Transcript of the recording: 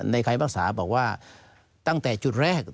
ในไขปรักษาบอกว่าตั้งแต่จุดแรก